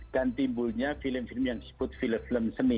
dan timbulnya film film yang disebut film film seni